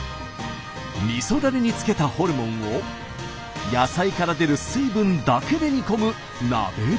みそだれに漬けたホルモンを野菜から出る水分だけで煮込む鍋料理です。